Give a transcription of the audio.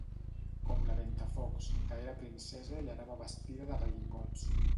Com la Ventafocs, que era princesa i anava vestida de pellingots.